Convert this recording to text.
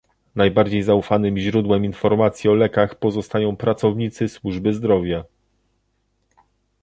Najbardziej zaufanym źródłem informacji o lekach pozostają pracownicy służby zdrowia